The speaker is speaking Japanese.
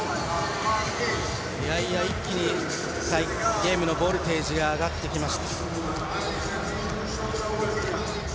一気にゲームのボルテージが上がってきました。